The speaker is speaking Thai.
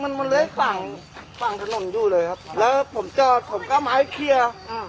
มันมันเลื้อยฝั่งฝั่งถนนอยู่เลยครับแล้วผมจอดผมก็เอาไม้เคลียร์อ่า